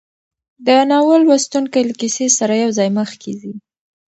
د ناول لوستونکی له کیسې سره یوځای مخکې ځي.